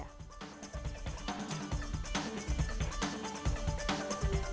adanya susu sidak sidik